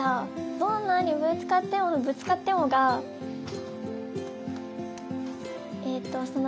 「どんなにぶつかっても」の「ぶつかっても」がえとその。